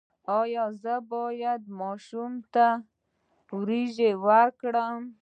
ایا زه باید ماشوم ته وریجې ورکړم؟